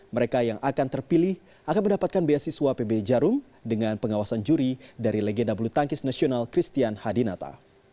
mereka yang akan terpilih akan mendapatkan beasiswa pb jarum dengan pengawasan juri dari legenda bulu tangkis nasional christian hadinata